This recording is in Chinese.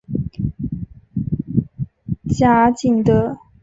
贾景德。